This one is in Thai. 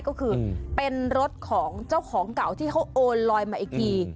ก็คือเป็นรถของเจ้าของเก่าที่เขาโอนลอยมาอีกที